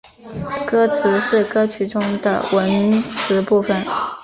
歌词是歌曲中的文词部分。